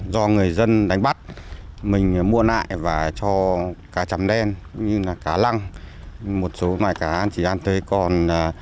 do người dân đánh bắt mình mua lại và cho cá chấm đen như cá lăng một số mái cá chỉ ăn tới con